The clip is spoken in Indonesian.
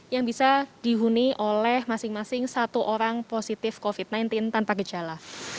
yang bisa dihuni oleh masing masing satu orang positif covid sembilan belas tanpa gejala